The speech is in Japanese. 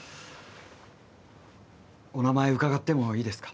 お名前伺ってもいいですか？